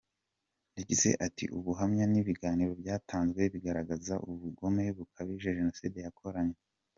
Yagize ati “Ubuhamya n’ibiganiro byatanzwe bigaragaza ubugome bukabije jenoside yakoranywe.